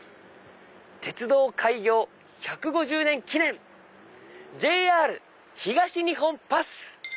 「鉄道開業１５０年記念ＪＲ東日本パス」。